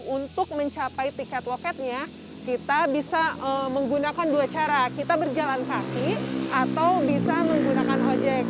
untuk mencapai tiket loketnya kita bisa menggunakan dua cara kita berjalan kaki atau bisa menggunakan ojek